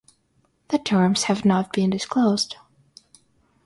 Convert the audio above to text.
The terms have not been disclosed.